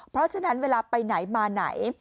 เพราะฉะนั้นเวลาไปไหนมาไหน